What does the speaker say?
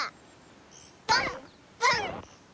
パンパン！